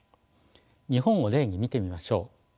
日本を例に見てみましょう。